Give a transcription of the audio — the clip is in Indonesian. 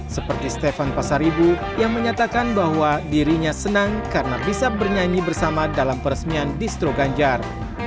seperti stefan pasar ibu yang menyatakan bahwa dirinya senang karena bisa bernyanyi bersama dalam peresmian distro ganjar